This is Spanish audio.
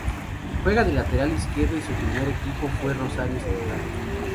Juega de lateral izquierdo y su primer equipo fue Rosario Central.